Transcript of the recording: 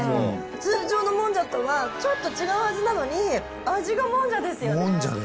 通常のもんじゃとはちょっと違うはずなのに、もんじゃです。